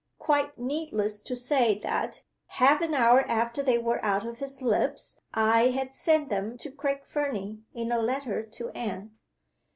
Quite needless to say that, half an hour after they were out of his lips, I had sent them to Craig Fernie in a letter to Anne!"